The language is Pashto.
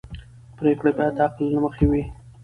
پرېکړې باید د عقل له مخې وي